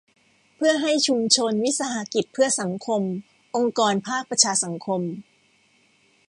เพื่อให้ชุมชน วิสาหกิจเพื่อสังคม องค์กรภาคประชาสังคม